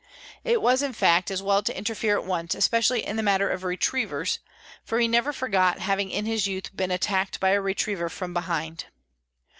It was, in fact, as well to interfere at once, especially in the matter of retrievers, for he never forgot having in his youth been attacked by a retriever from behind.